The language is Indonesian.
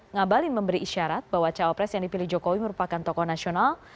ngabalin memberi isyarat bahwa cawapres yang dipilih jokowi merupakan tokoh nasional